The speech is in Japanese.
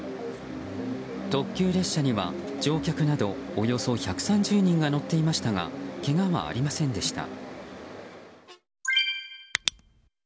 特急列車には乗客など、およそ１３０人が乗っていましたがけがはありませんでした。